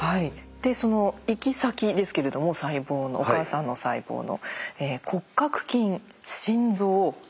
でその行き先ですけれども細胞のお母さんの細胞の。